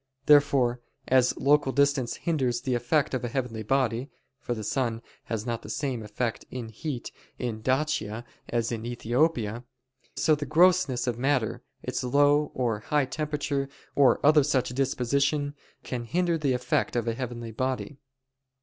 Therefore as local distance hinders the effect of a heavenly body (for the sun has not the same effect in heat in Dacia as in Ethiopia); so the grossness of matter, its low or high temperature or other such disposition, can hinder the effect of a heavenly body.